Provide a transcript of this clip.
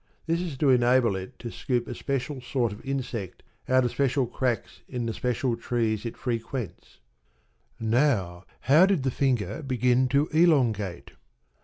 This is to enable it to scoop a special sort of insect out of special cracks in the special trees it frequents. Now, how did the finger begin to elongate?